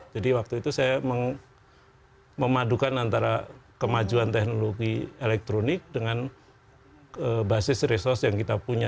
jadi waktu itu saya memadukan antara kemajuan teknologi elektronik dengan basis resource yang kita punya